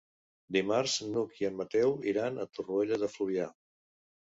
Dimarts n'Hug i en Mateu iran a Torroella de Fluvià.